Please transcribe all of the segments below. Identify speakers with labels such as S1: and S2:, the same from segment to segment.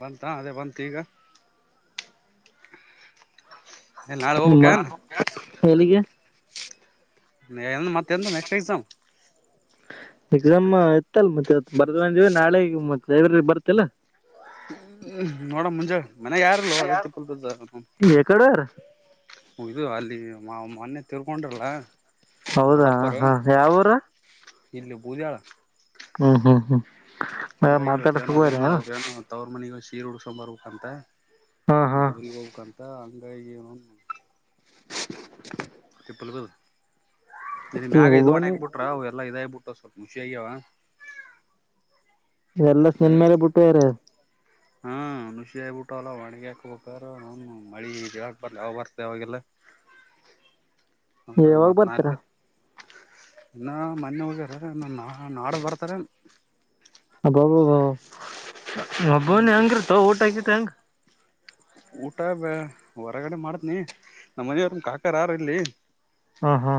S1: ಬಂತಾ ಅದೇ ಬಂತ ಈಗ. ಏನ್ ನಾಳೆ
S2: ಹ್ಮ
S1: ಹೋಗ್ಬೇಕೆನ್.
S2: ಎಲ್ಲಿಗೆ.
S1: ಏ ಮತ್ತೆಂದ ನೆಕ್ಸ್ಟ್ ಎಕ್ಸಾಮ್.
S2: ಎಕ್ಸಾಮ್ ಇತ್ತಲ್ ಮತ್ತ ಇವತ್. ಬರ್ದದ ಅಂದೀವಿ ನಾಳೆ ಈಗ ಮತ್ ಸೇವ್ರಿಗ್ ಬರ್ತಿಲ್ಲ.
S1: ಹ್ಮ್ ನೋಡಮ್ ಮುಂಜಾಳ ಮನ್ಯಾಗ ಯಾರಿಲ್ಲೋ ಅದೇ ತಿಪ್ಪಲ್ ಬಿದ್ದದ.
S2: ಎಕಡ್ ಹೋಗ್ಯಾರ್.
S1: ಹು ಇದು ಅಲ್ಲಿ ಮಾ ಮನ್ನೆ ತಿರ್ಕೊಂಡರಲಾ.
S2: ಹೌದಾ ಹಾ ಯಾವೂರ.
S1: ಇಲ್ಲಿ ಬುದ್ಯಾಳ.
S2: ಹ್ಮ್ ಹ್ಮ್ ಹ್ಮ್.
S1: ಹಂಗಾಗಿ ಇವತ್ತ ಏನೋ
S2: ಮಾತಾಡಸಕೋರ
S1: ಅದೇನೋ ಅವ್ರ ಏನೋ ತವ್ರ ಮನಿಗ ಹೋಗ್ ಸಿ - ಸಿರಿ ಉಡಸಕೊಂಡ ಬರಬೇಕಂತ.
S2: ಹಾ ಹಾ
S1: ಇದು ಉರಿಗ್ ಹೋಗ್ಬೇಕಂತ. ಹಂಗಾಗಿ [unintelligible]
S2: [inaudible]
S1: ತಿಪ್ಪಲ್ ಬಿದ್- ಇಲ್ಲ ಮ್ಯಾಗ ಇದು
S2: ಒಬ್ಬನಿ
S1: ಒಣಯಾಕ್ ಬುಟ್ರಾ ಅವ್ ಎಲ್ಲ ಇದಾಗ ಬಿಟ್ಟದ ಸ್ವಲ್ಪ ನುಷಿಯಾಗ್ಯಾವ.
S2: ಎಲ್ಲ ನಿನ್ಮೇಲೆ ಬುಟ್ಟು ಹೋಗ್ಯಾರ್.
S1: ಹಾ ನುಷಿ ಆಗ್ ಬುಟ್ಟವಲ ಒಣಗಿ ಹಾಕ್ಬೇಕರಾ ಅವ್ನ [unintelligible] ಮಳಿ ಹೇಳಕ್ ಬರ್ಲ ಯಾವಾಗ್ ಬರ್ತ ಯವಾಗಿಲ್ಲ. ಹಂಗಾಗಿ
S2: ಯಾವಾಗ
S1: ಮತ್ತ
S2: ಬರ್ತಾರ
S1: ಇಲ್ತೀರ. ಇನ್ನ ಮನ್ನೆ ಹೋಗ್ಯಾರ ಇ ನಾ ನಾಡದ್ ಬರ್ತಾರೆನ.
S2: ಅಬಬಬ ಮಗನ ಹೆಂಗಿರ್ತೋ ಊಟಗಿ ತಂಗ
S1: ಊಟ ಬ ಹೊರಗಡೆ ಮಾಡತ್ನಿ ನಮ್ಮ ಮನೆಯವರು ಕಾಕರ ಯಾರ ಇಲ್ಲಿ
S2: ಹ್ಮ ಹಾ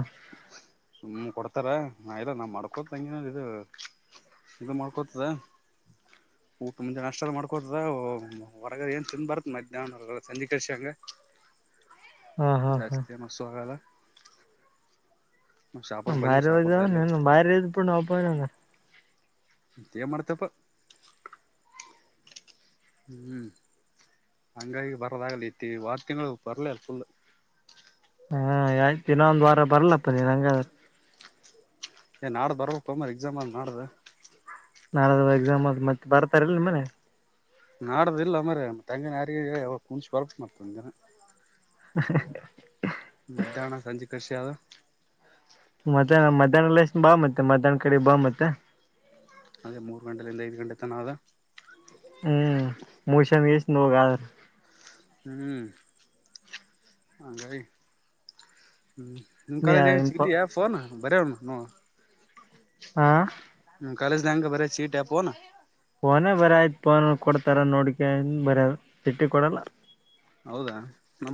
S1: ಹ ಕೊಡ್ತಾರ ನಾ ಇಲ್ಲ ನಾ ಮಾಡ್ಕೊತಂಗನ ಇ ಇದು ಮಾಡ್ಕೊತದ ಊಟ ಮುಂಚೆ ನಷ್ಟ ಮಾಡ್ಕೊತದ ಹೊರಗ ಏನ್ ತಿನ್ ಬರ್ತ ಮಧ್ಯಾಹನವ ಸಂದಿ ಕಳಚಾಾಗ
S2: ಹಾ ಹಾ ಹಾ
S1: ಜಚತಿ ಮ ಸು ಹಗಾಲ ಶಾಪುರ್ ಬನ್ನಿ
S2: ಭಾರಿ
S1: ಶಾಪುರ್ದ ಅಲ್ಲಿ
S2: ಹ ಭಾರಿ ಇದ ಪ ಅವಪ
S1: ಮಂತ ಮಾಡ್ತಪ್ಪ ಹ್ಮ್ ಹಂಗಾಗಿ ಬರೋದಾಗಲಿ ಇತಿ ವಾರ ತಿಂಗಳು ಬರ್ಲ ಅಲ್ ಫುಲ್
S2: ಹಾ ಆಯ್ತ ದಿನ ಒಂದ್ ವಾರ ಬರ್ಲಪ್ಪ ನೀನ್ ಹಂಗಾದ್ರ
S1: ಏ ನಾಡ ಬರವಪ್ಪ ಅ ಮ್ರ ಎಕ್ಸಾಮ್ ಮಾಡ್ದ
S2: ನಾಳ ಎಕ್ಸಾಮ್ ಅ ಮತ್ತೆ ಬರ್ತಾರಲ್ಲ ನಿ ಮನೆ
S1: ನಾಡದ ಇಿಲ್ಲ ಮ್ರ ತಂಗ ನಾರಿಗೆ ಹಣಚ್ ಕೊಳಪ ಮಾಡ್ತಿನ
S2: ಹ
S1: ಸಂಜೆ ಕರ್ಷಿ ಆದ
S2: ಮದಾನ ಮದಾನ ಲೈ ಬ ಮತ್ತ ಮದಾನ ಕ ಬ ಮತ್ತ
S1: ಅದೇ ಮೂರು ಗಂಟಲಿಂದ ಐದು್ ಗಂಟೆ ತನ ಆದ
S2: ಹ್ಮ್ ಮಷನ್ ವಷ ನಗಾದ
S1: ಹ್ಮ್ ಅಗ ಹ್ಮ್ ನಿಮ
S2: ನೀ
S1: ಕಳೆ
S2: ಇಂಪ
S1: ಚಿಟಿ ಯಫೋನ್ ಬರೆಯಣ ನ
S2: ಹಾ
S1: ಕಾಲೇಜ ಲಗೆ ಬರ ಚೀಟಪ್ಪೋಾ
S2: ೋನ್ ಬರ ಆ್ ಪಫೋನ್ ಕೊಡ್ತಾರ ನೋಡಿಕನ್ ಬರ ಬಿಟ್ಟಿ ಕೊಡಲ್ಲ
S1: ಹೌದಾ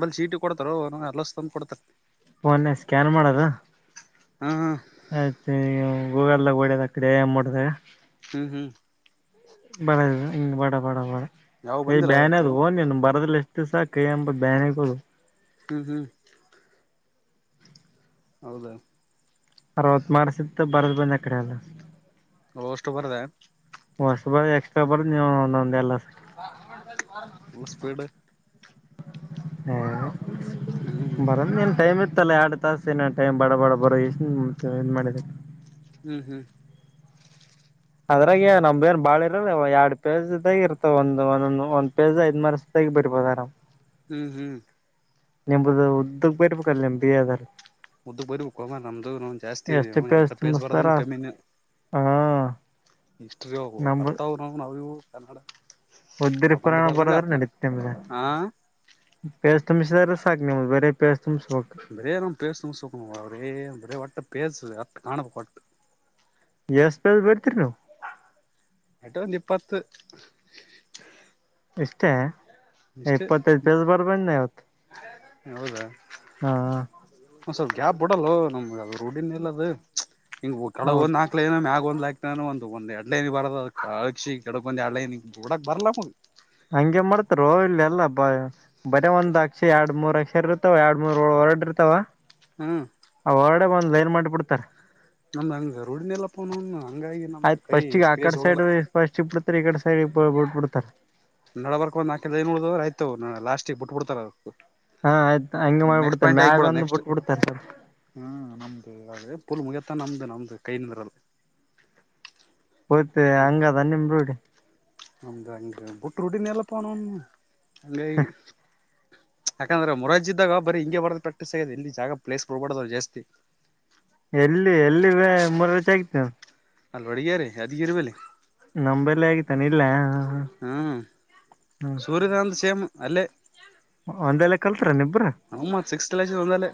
S1: ನಲ್ಲಿ ಸೀಟಿ ಕೊಡ್ತಾರ ನ ಎರಂದ ಕೊಡ್ತಾರ
S2: ಫೋನ್ ಸ್ಕ್ಯಾನ್ ಮಾಡದ
S1: ಹಾ ಹಾ
S2: ಆೆ ಗೂಗಲ್ದಾಗ ಓಡ್ಯದ ಅ ಕಡೆ ಮೂಡಿದಾಗ
S1: ಹ್ಮ್ ಹ್ಮ್
S2: ಬಡ ಹಂಗ್ ಬಡ ಬಡ ಬಡ
S1: ಯಾವ
S2: ಕೈ
S1: ಬಂದಿಲ್ಲ
S2: ಬ್ಯಾನ
S1: ಇವತ್ತು
S2: ಅದು ಹೋನ್ ನೀನ್ ಬರದಿಲ್ಲ ಇತ್ತು ಸಹಕ ಅಂಬ ಬನೆ ಕೊ
S1: ಹ್ಮ್ ಹ್ಮ್ ಹೌದಾ
S2: ಅರವತ್ ಮಾರಸ ಇತ್ ಬರದ್ ಬಂದ್ ಅ ಕಡೆ ಎಲ್ಲ
S1: ಅಷ್ಟು ಬರದ
S2: ಹೊಸ್ ಬರ ಎಕ್ಸ್ಟ್ರಾ ಬರದು ನೀವು ಒಂದೊಂದು ಎಲ್ಲ
S1: ಹ ಸ್ಪೀಡ್ ಹ್ಮ್
S2: ಹ್ಮ ಬರ ನ್ ಟೈಮ್ ಇ ಮತ್ತಲ್ಲ ಆರಡು ತಾಸ ಏನ ಟೈಮ ಬಡ ಬಾಡ ಬರೋ ಇನ್ ಮಾಡ
S1: ಹ್ಮ್ ಹ್ಮ್
S2: ಅದ್ರಾಗ ನಮ್ಏನ್ ಬಾಳ ಇರಲ್ ಎರಡ್ ಪೇಜ್ದಗ ಇರ್ತ ಒಂದ್ ಒಂದೊ ಒಂದ್ ಪೇಜ್ ಐದ್ ಮಾರಸ್ದಗ ಬಿಡ್ಬೋದರಾಮ್
S1: ಹ್ಮ್ ಹ್ಮ್
S2: ನಿಂಬುದು ಉದ್ದಕ್ ಬೇರ್ಬೇಕಲ್ಲ ನಿಮ್ ಬಿ ಅದ್ರ
S1: ಉದ್ದು ಬರ್ಬೇಕು ನಮ್ದು ಜಾಸ್ತಿ
S2: ಎಷ್ಟು ಪೇಜ್
S1: ಎರ ಪೇಸ್
S2: ತುಂಬಿಸ್ತಾರ
S1: ಬರೋದ
S2: ಅಷ್ಟ
S1: ಕಮ್ಮಿನ
S2: ಹಾ
S1: ಇಷ್ಟ್ಟ್ರಿ ಹೋಗುವ ಬರ್ತಾವ್ ನಾವು ನಾವವು ಕನ್ನಡ
S2: ಉದ್ದರಿ
S1: ಪ್ರಬಂಧ
S2: ಪುರಾಣ
S1: ಬರ್ದಂಗ
S2: ಬರದ್ರ
S1: ಆತ್ ನಮ್ದು
S2: ನಡೀತೆ ಮೇಲೆ
S1: ಹಾ
S2: ತಮಷ ದ ರ ಸಾಗಿ ನಮ ಬ ರಸ್
S1: ಬರಾರಾಮ್ಸು ಸಕ ಅವರೇ ಬರ ವಟ್ಟ ಬಸುದು ಅ ಕಾಣಪ ಕೊ
S2: ಎಸ್ಪಲ್ ಬರ್ತರಿ ನಾವ
S1: ಆಟ್ಟ ಒಂದು ನಿಪ್ಪತ್ತು
S2: ಎಷ್ಟೇ ಇಪ್ಪತ್ತ ಬಸ ಬರ್ಬ ಹೊತ್ತು
S1: ಹೌದಾ ಹ ಸ್ವಲ್ಪ ಕ್ಯಾಬ್ ಬಿಡಲ್ಲ ನಮ್ಗೆ ಅ ರೋಡಿನ್ ಇಲ್ಲ ಅದು ಹ್ ಕಡಗ
S2: ಹೌದು
S1: ಒಂದ ಹಾಕ್ಲೆನ ಒಂದ್ ಆಯ್ತಾನು ಒಂದ ಒಂದ್ ಎಡ್ಲೈನಿ ಬಾರದ ಅದ ಕಕ್ಷಿ ಕೆಡಕ ಒಂದ್ ಎಡ್ೈನಿ ಬಿಡಕ್ ಬರ್ಲ್
S2: ಹಂಗೆ ಮಾಡ್ತಾರ ಇಲ್ಲೆಲ್ಲ ಬ ಬರೀ ಒಂದ್ ಅಕ್ಷ ಎರಡ್ ಮೂರ್ ಅಕ್ಷ ಇರ್ತವ ಎರಡ್ ಮೂರ್ ಹೊರಡಿರ್ತಾವ
S1: ಹ್ಮ್
S2: ಒಂದ್ ಲೈನ್ ಮಾಡ್ಬಿಡ್ತಾರೆ
S1: ನಮ್ದ ಹಂಗ ರೂಢಿನ ಎಲ್ಲ ಪನ
S2: ಆಯ್ತ್ ಫಸ್ಟ್ ಈಗ ಆಕಡೆ ಸೈಡ್ ಫಸ್ಟ್ ಇ ಬಿಡಡ್ತಾರೆ ಈಡೆ ಸಡ್ ಸರಿಬಟ್ಟಬಿಡ್ತಾರೆ
S1: ನಡ ಬರ್ಕ್ ಒಂದ್ಕ ಆಯ್ತ ಲಾಸ್ಟಕ್ ಬ ಬಿಟ್ಬ ಬಿಡ್ತಾರ ಅದು
S2: ಹಾ ಆಯ್ತು ಹಂಗ
S1: ನೆಕ್ಸ್ಟ್
S2: ಮಾಡ್ಬಿಡ್ತಾರ
S1: ಪಾಯಿಂಟ್
S2: ಮ್ಯಾಗ
S1: ಆಗ್ಬಿಡೋದ್
S2: ಒಂದು
S1: ನೆಕ್ಸ್ಟ್
S2: ಬಿಟ್ಬಿಡ್ತಾರ ಸರ್
S1: ಪ್ಪಲ್ ಮುಗತಾ ನಮ್ದ ನಮ್ದ ಕೈ ನಿಂದ್ರಲ್ಲ
S2: ಹಯ್ತ ಹಂಗದ ನಿಮ್ ರೂಡಿ
S1: ಆಮ್ದಂಗಟ್ಟ ರರುಡಿಿನಲ್ಲ ಪಣಣ ಅಲ್ಲ ಯಾಕಂದ್ರ ಮುರಾರ್ಜಿ ಇದ್ದಾಗ ಬರೀ ಹಿಂಗೆ ಬರದ ಪ್ರಾಕ್ಟೀಸ್ ಆಗ್ಯದ ಎಲ್ಲಿ ಜಾಗ ಪ್ಲೇಸ್ ಕೊಡಬಾರದು ಜಾಸ್ತಿ.
S2: ಎಲ್ಲಿ ಎಲ್ಲಿ ಮುರಾರ್ಜಿ ಆಗಿತ್ತು.
S1: ಅಲ್ಲಿ ವಡಿಗೇರಿ ಯಾದಗಿರ ಬಲ್ಲಿ.
S2: ನಂಬಲ್ಲಿ ಆಗುತ್ತನು ಇಲ್ಲಯ್ಯ
S1: ಹ್ಮ್
S2: ಹ್ಮ
S1: ಸೂರ್ಯಕಾಂತ್ ಸೇಮ್ ಅಲ್ಲೇ.
S2: ಒಂದೆಲ್ಲೆ ಕಲ್ತರಿ ಅನು ಇಬ್ಬರು
S1: ಹ್ಮ್ ಮತ್ ಸಿಕ್ಸ್ ಕ್ಲಾಸ್ ಒಂದಲ್ಲೇ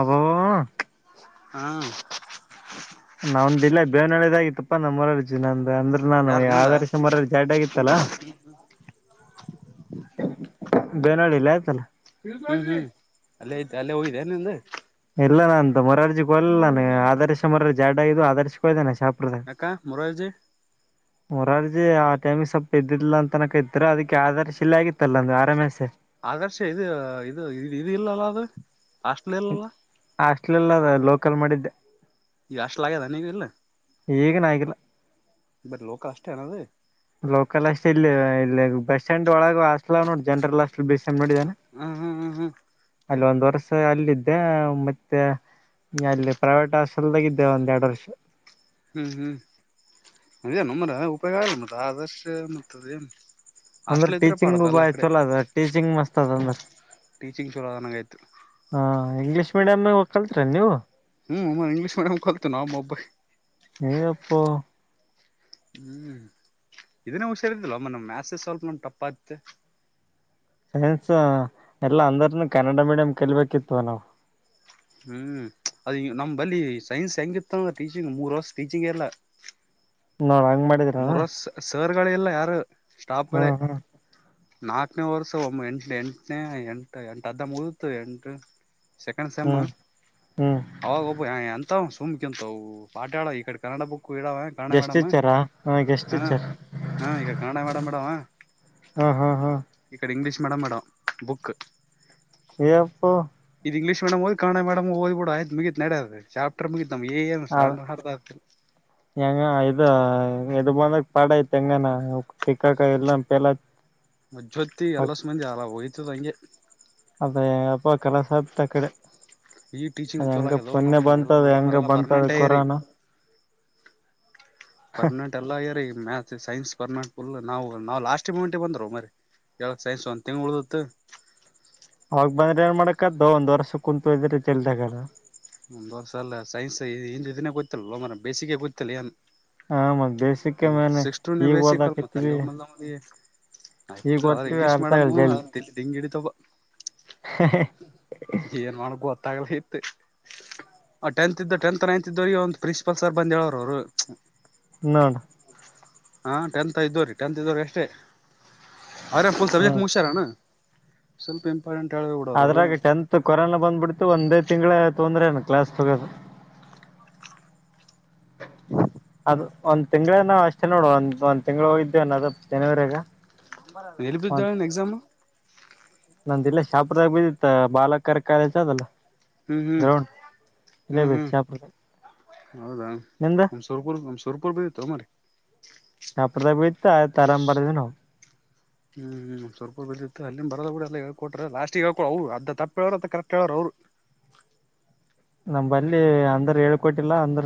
S2: ಅಬ್ಬಬ್ಬಾ.
S1: [inaudible]
S2: ಅವಂದು ಇಲ್ಲೇ ಬೇವನಹಳ್ಳಿದಗ ಇತ್ತಪ್ಪ ನಮ್ ಮುರಾರ್ಜಿ ನಂದ ಅಂದ್ರೆ ನಾನು
S1: ಯಾರ ನಿಂದ
S2: ಆದಾರ ಸುಮಾರ ಜಾಡ್ ಆಗಿತ್ತಲ್ಲ. ಬೇವನಹಳ್ಳಿ ಇಲ್ಲಿ ಆಯ್ತಲ್ಲ. [inaudible]
S1: ಹ್ಮ್ ಹ್ಮ್ ಅಲ್ಲೇ ಐತೆ ಅಲ್ಲೇ ಹೋಗಿದೆ ನಿಂದ
S2: ಇಲ್ಲ ನಾನು ಮುರಾರ್ಜಿಗೋಲಿಲ್ಲ ನಾನ್ ಅ ಆದರ್ಶ ಮರ ಜಾಡ ಆಗಿದ್ದವು ಆದರ್ಶ ಹೋಗಿದ್ದೆ.
S1: ಯಾಕ್ ಮುರಾರ್ಜಿ.
S2: ಮುರಾರ್ಜಿ ಆ ಟೈಮಿ ಸ್ವಪ ಇದ್ದಿದ್ದಿಲ್ಲ ಅಂತನ ಕತ್ತಿದ್ರು ಅದಕ್ಕೆ ಆದರ್ಶ್ ಇಲ್ಲ ಆಗಿತಲ್ಲ ಆರ್‌ಎಂಎಸ್.
S1: ಆದರ್ಶ ಇದು ಇದು ಇದು ಇದು ಇಲ್ಲಲ್ಲ ಅದು. ಹಾಸ್ಟೆಲ್ ಇಲ್ಲಲ್ಲ.
S2: ಇಲ್ಲಲ್ಲ ಲೋಕಲ್ ಮಾಡಿದ್ದೆ.
S1: ಈಗ ಹಾಸ್ಟೆಲ್ ಆಗ್ಯದ ಏನ್ ಇಲ್ಲ.
S2: ಈಗನ್ ಆಗಿಲ್ಲ.
S1: ಬರಿ ಲೋಕ ಅಷ್ಟೇ ಏನದ.
S2: ಲೋಕಲ್ ಅಷ್ಟ ಇಲ್ಲಿ ಇಲ್ಲಿ ಬಸ್ ಸ್ಟ್ಯಾಂಡ್ ಒಳಗ ಹಾಸ್ಟೆಲ್ ಆವ ನೋಡ್ ಜನ್ರಲ್ ಹಾಸ್ಟ [unintelligible]
S1: ಹ್ಮ್ ಹ್ಮ್ ಹ್ಮ್
S2: ಅಲ್ಲಿ ಒಂದ್ ವರ್ಷ ಅಲ್ಲಿದ್ದೆ ಮತ್ತೆ ಅಲ್ಲಿ ಪ್ರೈವೇಟ್ ಹಾಸ್ಟಲ್ಗಾ ಇದ್ದೆ ಒಂದ್ ಎರಡ್ ವರ್ಷ.
S1: ಹ್ಮ್ ಹ್ಮ್ ನಮ್ಮ್ರ ಉಪಯೋಗ ಆಗಿಲ್ಲ ಮತ್ತ ಆದರ್ಶ ಮತ್ತೆ ಅದ ಏನ್.
S2: ಅಂದ್ರೆ
S1: ಹಾಸ್ಟೆಲ್ ಇದ್ರೆ
S2: ಟೀಚಿಂಗ
S1: ಪಾಡಪ್ಪ
S2: ಬ
S1: ಎಲ್ಲಾ ಕಡೆ
S2: ಚಲ ಅದ ಟೀಚಿಂಗ್ ಮಸ್ತ್ ಅದ ಅಂದ್ರ
S1: ಟೀಚಿಂಗ್ ಚಲೋ ಆದಂಗ ಆಯ್ತು
S2: ಹ್ಮ್ ಇಂಗ್ಲಿಷ್ ಮೇಡಂ ನಗ ಕಲ್ತ್ರ ಏನ್ ನೀವು.
S1: ಹ್ಮ್ ಇಂಗ್ಲಿಶ ಮೀಡಿಯಮ್ ಕಲ್ತೀವಿ ನಾವು ಮೊಬ್ಬು
S2: ಏ ಎಪ್ಪೋ.
S1: ಹ್ಮ್ ಇದನ್ನ ಹುಷಾರಿದಲ್ವಮ್ಮ ಮಾಥ್ಸ್ ನಮಗ ಸ್ವಲ್ಪ ಟಫ್ ಆತಿತ್ತು.
S2: ಸೈನ್ಸ್ ಎಲ್ಲಾ ಅಂದರ್ನು ಕನ್ನಡ ಮೀಡಿಯಂ ಕಲಿಬೇಕಿತ್ತು ನಾವು.
S1: ಹ್ಮ್ ಅದು ನಮ್ಮ ಬಲ್ಲಿ ಸೈನ್ಸ್ ಹೆಂಗಿತ್ತ ಅಂದ್ರ ಟೀಚಿಂಗ್ ಮೂರು ವರ್ಷ ಟೀಚಿಂಗ ಇಲ್ಲ.
S2: [unintelligible] ಹಂಗ್ ಮಾಡಿದರಾ.
S1: ಸರ್ ಗಳೇ ಇಲ್ಲ ಯಾರು.
S2: ಹಾ
S1: ಸ್ಟಾಫ್ಗಳೇ
S2: ಹಾ.
S1: ನಾಲ್ಕನೇ ವರ್ಷ ಒ ಎಂಟನ ಎಂಟನೇ ಎಂಟು ಎಂಟ ಅರ್ಧ ಮುಗ್ದಿತ್ತು. ಎಂಟ ಸೆಕೆಂಡ್ ಸೇಮ್
S2: ಹ್ಮ್ ಹ್ಮ್
S1: ಅವಾಗ್ ಒಬ್ಬ ವ ಎಂತವಾ. ತುಂಬ್ಕಿಂತವು ಪಾಠ ಹೇಳ ಈ ಕಡಿ ಕನ್ನಡ ಬುಕ್ ಕುಡಿದಾಗ ಕನ್ನಡ
S2: ಗೆಸ್ಟ್
S1: ಮೇಡಾಮ
S2: ಟೀಚರಾ ಹ ಎಷ್ಟು ಟೀಚರ್
S1: ಮೇಡಮ್ ಇಡವ
S2: ಹಾ ಹಾ ಹಾ
S1: ಈ ಕಡೆ ಇಂಗ್ಲೀಷ್ ಮೆಡಮ್ ಇಡ ಬುಕ್
S2: ಎಪ್ಪೋ
S1: ಇಂಗ್ಲಿಷ್ ಮೇಡಂ ಹೋಗೆ ಕನ್ನಡ ಮೇಡಂ ಹೋಗ್ಬಿಡು ಮುಗಿತ್ ನಡ ಚಾಪ್ಟರ್ ಮ
S2: ಹ ಹೆಂಗ ಇದು ಎದು ಬಂದ ಪಡಾಯ ತೆಂಗಾನ ಟಕ್ಕಾಕಾಯ ಎಲ್ಲಾ ಪಲ
S1: ಮ್ೊತ್ತತಿ ಎಲ್ಲ ಸ ಮಂದಿ ಆಯ್ತ [inaudible] ಸಲ ಅಂಗೆ
S2: ಅದೇ ಅಪ್ಪ ಕೆಲಸ ಆತ್ತ ಆ ಕಡೆ
S1: ಈ ಟೀಚಿಂಗ್
S2: ಅದ
S1: ಚಲ
S2: ಹೆಂಗ ಪುಣ್ಯ
S1: ಆಲ್ಲ
S2: ಬಂತದ ಹೆಂಗ
S1: ಮಡಮ್ಲ್ಲ
S2: ಬಂತದ
S1: ಪರ್ಮನೆಂಟ್
S2: ಕೊರೋನಾ
S1: ಪರ್ಮನೆಂಟ್ ಎಲ್ಲ ಮ್ಯಾತ್ ಸೈನ್ಸ್ ಪರ್ಮೆಟ್ ನಾವು ನಾವು ಲಾಸ್ಟ್ ಮೂಮಂಟ್ಗೆ ಬಂದರು ಮರಿ ಹೇಳಕ್ ಸೈನ್ಸ್ ಒಂದ ತಿಂಗ್ ಉಳ್ದ
S2: ಅವಾಗ ಬಂದ್ರೆ ಏನ್ ಮಾಡಕದ್ದ ಒಂದ ವರ್ಷ ಕುಂತು ಇದ್ರೆ ಚಲ್ದಗಾರ
S1: ಒಂದ ವರ್ಷ ಅಲ್ಲ ಸೈನ್ಸ್ ಹ ಇದ ಗೊತ್ತಲ್ಲ ಬೇಸಿಗೆ ಗೊತ್ತಲ್ಲ ಏನ್
S2: ಹ ಮ
S1: ಮ ಸಕ್ಸ್ಟು ಬೇಸಿಕಲ್ ಮತ ಮ
S2: ಈಗ
S1: ಆಯ್ತು ಅವ್ರ್
S2: ಓದ್ತಿವಿ
S1: ಇಂಗ್ಲೀಷ್ ಮೇಡಮ್ ದಂಗಿಡ ತ
S2: ಹ
S1: ತ್ತಲ ಇತ್ತು ಟೆಂತ್ ಇದ ಟೆಂತ್ ನೈನ್ತ್ ಇದವಿಗೆ ಒಂದ್ ಪ್ರಿನ್ಸಿಪಾಲ್ ಸರ್ ಬಂದ ಹೇಳೋರು ಅವರು
S2: ನ
S1: ಹಾಂ ಟೆಂತ್ ಇದ್ದವ ರೀ ಟೆಂತ್ ಇದ್ದವ್ರೀ ಅಷ್ಟೇ ಅರೆಲ್ ಸಕ್
S2: ಹ್ಮ್
S1: ಮುುಷ್ಯಾರಣ ಸ್ವಲ್ಪ ಎ
S2: ಅದ್ರಾಗ ಟೆಂತ್ ಕೊರೋನಾ ಬಂದ್ಬಿಡ್ತು ಒಂದೇ ತಿಂಗಳ ತೊಂದ್ರೆನು ಕ್ಲಾಸ್ ತಗೋದು
S1: ಹ್ಮ
S2: ಅ ಒಂದ್ ತಿಂಗಳ ನಾವವು ಅಷ್ಟೇ ನೋಡುವ ಒಂದ ಒಂದ್ ತಿಂಗಗಳುಳ ಹೋಗಿದ್ದ್ವನ್ದ ಜನವರಿಗ
S1: ಎಲ್ಲಿಬಿದ್ದಾಳ ಎಕ್ಸಾಮ್
S2: ನಂದ ಇಲ್ಲ ಶಾಪದಾಗ ಬಿದ್ದಿತ್ತ ಬಾಲಕರ್ ಕಾಲೇಜ ಅದಲ್ಲ
S1: ಹ್ಮ್ ಹ್ಮ್
S2: ಗ್ರೌಂಡ್ ಇಲ್ಲೇ
S1: ಹ್ಮ್
S2: ಬಿದ್ದ
S1: ಹ್ಮ್
S2: ಶಾಪುರದಾಗ
S1: ಹೌದಾ
S2: ನಿಂದ
S1: ಸುರ್ಪುರ್ ಸುರ್ಪುರ್ ಬಿತ್ತು ಮ್ರ
S2: ತತರಾಮ ಬಾದ ನ
S1: ಹ್ಮ್ ಹ್ಮ್ ಸವರ್ಪುರ್ ಬಿದ್ದಿತ್ತು ಅಲ್ಲಿನ್ ಬರದ ಕೂಡ ಎಲ್ಲ ಹೇಳ್ಕೊಟ್ರ ಲಾಸ್ಟಿಗೆ ಹೇಳ್ಕೊ ಅವ ಅದ ತಪ್ಪ ಹೇಳವ್ರ ಅ ಕರೆಕ್ಟ್ ಹೇಳ್ರ ಅವ್ರು
S2: ನಮ ಬಲ್ಲಿ ಅಂದ್ರ ಹೇಳ್ಕೊಟ್ಟಿಲ್ಲ ಅಂದ್ರ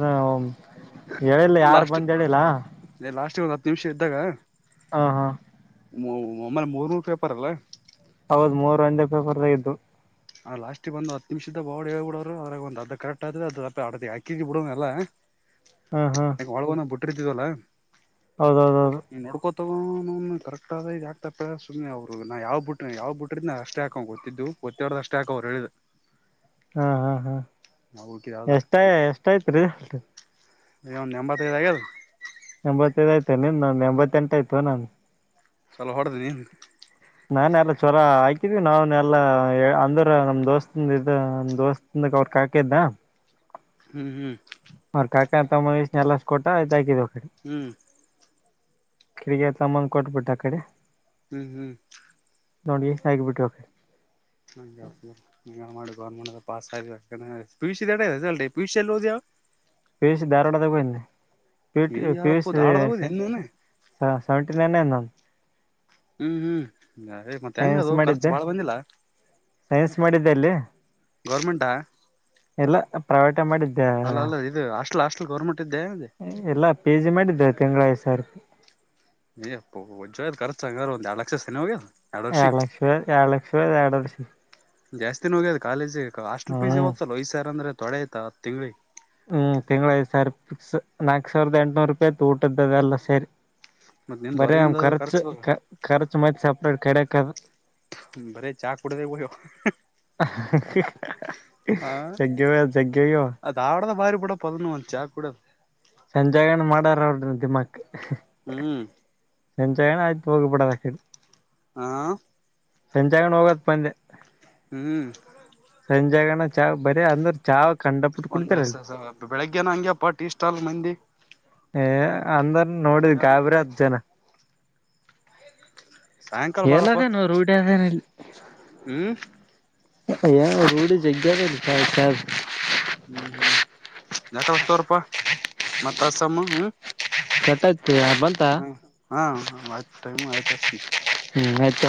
S2: ಹೇಳಿಲ್ಲ ಯಾರು ಬಂದ ಹೇಳಿಲ್ಲ
S1: ಒಂದು ಹತ್ತು ನಿಮಿಷ ಇದ್ದಾಗ
S2: ಹಾ ಹಾ
S1: ಒಮ್ಮೆಲೆ ಮೂರು ಪೇಪರ್ ಅಲ್ಲ
S2: ಹೌದ್ ಮೂರು ಒಂದೇ ಪೇಪರ್ದಾಗ್ದು.
S1: ಅ ಲಾಸ್ಟ್ಗೆ ಬಂದುಹತ್ ನಿಮಿಷದ ಹೇಳಿ ಬುಡರು ಹೋಗಿ ಬಿಡೋರು ಅವ್ರಾಗ ಒಂದ ಅರ್ದ ಕರೆಕ್ಟ್ ಅಯಿತದೆ ಹಾಕಿನಿ ಬಿಡು ಎಲ್ಲ.
S2: ಹ್ಮ್ ಹ್ಮ್
S1: ಹೊಳ್ಗನ ಬುಟ್. ಕರೀತಿವಲ್ಲ.
S2: ಹೌದೌದೌದು
S1: ನೀ ನೋಡ್ಕೊತ್. ಕರೆಕ್ಟ್ ಆದ [unintelligible] ಸುಮ್ಮನೆ ಅವರು ನಾ ಯಾವ್ ಬಿಟ್ಟ ಯಾವ್ ಬಿಟ್ರಿದ ನ ಅಷ್ಟೇ ಹಾಕೊಂಡ ಗೊತ್ತಿದ್ದು ಹೇಳಿದ್ ಅಷ್ಟೇ ಹಾಕೋ ಅವ್ರು ಹೇಳಿದ್.
S2: ಹಾಂ ಹಾಂ ಹಾ.
S1: ನಾವು ಹುಡುಕಿದ ಯಾವ್ದು
S2: ಎಷ್ಟ
S1: ಆಗ್ತಿಲ್ಲ
S2: ಎಷ್ಟಯ್ತ್ರಿ
S1: ಏ ಒಂದ್ ಎಂಬತೈದ ಆಗೇದೇನು
S2: ಎಂಬತ್ತೈದ ಆಯ್ತು ನಿನ್ ನನ್ ಎಂಬತ್ತೆಂಟು ಆಯತು ನನ್
S1: ಚಲೋ ಹೊಡದಿ ಏನ್
S2: ನಾನ್ ಎಲ್ಲಾ ಚೊರ ಹಾಕಿದೀವಿ ನಾವ್ನ್ ಎಲ್ಲಾ ಅಂದ್ರ ನಮ ದೋಸ್ತ ಇದ ನಮ್ ದೋಸ್ತಂದಾಗ ಅವ್ರ ಹಾಕಿದ್ದ.
S1: ಹ್ಮ್ ಹ್ಮ್
S2: ಅವ್ರ ಕಾಕಾ ಅ ತಮ್ಮ [unintelligible] ಎಲ್ಲಷ ಕೊಟ್ಟಾ ಇದಕಿದೀವಿ.
S1: ಹ್ಮ್
S2: ಕಿಡಿಗ ತಮ್ಮನ್ ಕೊಟ್ಬಿಟ್ಟ ಆ ಕಡೆ.
S1: ಹ್ಮ್ ಹ್ಮ್
S2: ನೋಡಿ ಇಸಗಿ ಬಿಟ್ವ್ರೇ
S1: ಹೆಂಗೆ ಮಾಡ್ ಗವರ್ನಮೆಂಟ್ದು pass P U C result, P U C ಯಲ್ ಓದೆಯಾ.
S2: ಬೇಶ್ ಧಾರವಾಡಗ ಬನ್ನೇ
S1: ಅಯ್ಯಪ್ಪೋ ಧಾರವಾಡದಾಗ ಓದಿ ಏನ್ ನೀನ್
S2: [unintelligible] ಹಾ ಸೆವೆಂಟಿ ನೈನ್ ನಂದು.
S1: ಹ್ಮ್ ಹ್ಮ್ ಏ ಮತ್ತೆ ಹೆಂಗ
S2: ಸೈನ್ಸ್
S1: ಅದು ಖರ್ಚು
S2: ಮಾಡಿದ್ದೆ
S1: ಬಾಳ ಬಂದಿಲ್ಲ.
S2: ಸೈನ್ಸ್ ಮಾಡಿದ್ದೆ ಅಲ್ಲಿ.
S1: ಗವರ್ನಮೆಂಟಾ.
S2: ಇಲ್ಲ ಪ್ರೈವೇಟ್. ಊಟ ಮಾಡಿದ್ದೆ.
S1: Last government.
S2: ಎಲ್ಲಾ ಪಿ ಜಿ ಮಾಡಿದ್ದೆ. ತಿಂಗಳ ಐದುಸಾವಿರ್ ರೂಪಾಯಿ.
S1: ಏ ಹೆಪ್ಪೋ ವಜ್ಜಹೋಗೇದ ಖರ್ಚು ಅಂಗಾರ ಒಂದ್ ಎರಡು ಲಕ್ಷ ಸನ ಹೋಗ್ಯದ.
S2: ಎರಡ್ ಲಕ್ಷ, ಎರಡ್ ಲಕ್ಷ, ಯಾಡ್ ವರ್ಷಿ
S1: ಜಾಸ್ತಿ ನೋಗ್ಯದು ಕಾಲೇಜ್. ಹಾಸ್ಟೆಲ್ ಫೀಸ್ಸೆ
S2: ಹ್ಮ್
S1: ಹೋಗ್ತಾಲೋ ಐದು ಸಾವಿರ ಅಂದ್ರೆ ತೊಡೆ ಆಯಿತಾ ತಿಂಗ್ಳಿ
S2: ಹ್ಮ್ ತಿಂಗ್ಗಳ ಐದ್ ಸಾವಿರ ಫಿಕ್ಸ್. ನಾಕ್ ಸಾವಿರದ ಎಂಟುನೂರು ರೂಪಾಯಿ ಊಟದ್ದದಲ್ಲ ಸೆರಿ
S1: ಮತ್ ನಿಮ್ದ್
S2: ಬರೆ ಆವ್ನ್
S1: ಹೊರಗಿಂದ
S2: ಖರ್ಚು ಖ ಖರ್ಚು [unintelligible] ಕೇಡಾಕ
S1: ಬರೇ ಚಾ ಕುಡದೆ ಹೋಗ್ಯವ ಆ
S2: [inaudible] ಜಗ್ಗವ ಜಗ್ಗವೋ
S1: ಕೂಡಪದನ ಚಾ ಕೂಡಿ
S2: ಎಂಜಾಯ್ ಏನು ಮಾಡ! ! [unintelligible]
S1: ಹ್ಮ್
S2: ಎಂಜಾಯಿನ ಆಯ್ತು ಹೋಗಿಬಿಡೋದು ಹಾಕಿಂದು
S1: ಆ
S2: ಎಂಜೋಯ್ಮೆಂಟ್ ಹೋಗೋಕೆ ಬಂದೆ
S1: ಹ್ಮ್
S2: ಸಂಜೆಗೆನಾ ಚಾ ಬರಿ ಆದ್ರು ಚಾ ಕಂಡಪಟ್ಟ ಕುಡಿತಾರಲ್ಲಿ
S1: ಬೆಳಿಗ್ಗೆನ ಹಂಗಗೆಪ್ಪಾ ಟಿ ಸ್ಟಾಲ್ ಮಂದಿ
S2: ಹೇ ಅಂದ್ರ ನೋಡಿದ
S1: ಮಧ್ಯಾಹ್ನ
S2: ಗಾಬರಿ
S1: ಹಂಗೆ
S2: ಹತ್ ಜನ
S1: ಸಾಯಂಕಾಲ
S2: ಹೇಳಲ್ಲದೇನು ರೂಢಿ ಆಗರೇ [inaudible]
S1: ಹ್ಮ
S2: ಏನೋ ರೂಡಿ [unintelligible]
S1: ಯಾಕತರಪಾ ಮತ್ತ ಅಸಮ್ಮ ಹ್ಮ
S2: ಕೆಟ್ಟಗ್
S1: ಹಾ ಹಾ ಆತ ಟೈಮ ಆಯ್ತ
S2: ಹ್ಮ್ ಆಯ್ತಾ